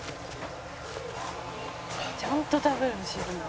「ちゃんと食べる汁も」